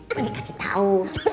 nanti kasih tau